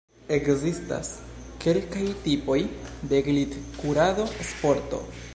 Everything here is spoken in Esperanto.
Ekzistas kelkaj tipoj de glitkurado-sporto.